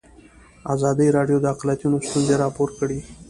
ازادي راډیو د اقلیتونه ستونزې راپور کړي.